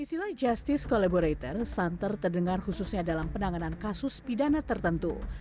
istilah justice collaborator santer terdengar khususnya dalam penanganan kasus pidana tertentu